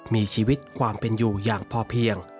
มีชีวิตความเป็นอยู่อย่างพอเพียง